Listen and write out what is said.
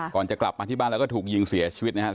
ก่อนจะกลับมาที่บ้านแล้วก็ถูกยิงเสียชีวิตนะครับ